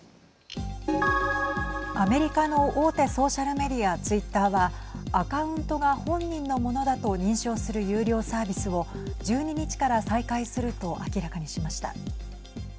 アメリカの大手ソーシャルメディアツイッターはアカウントが本人のものだと認証する有料サービスを１２日から再開すると明らかにしました。